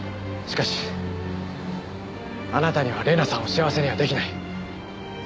しかしあなたには玲奈さんを幸せには出来ない。